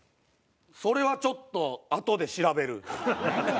それはちょっとあとで調べる。